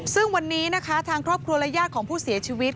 ซึ่งวันนี้นะคะทางครอบครัวและญาติของผู้เสียชีวิต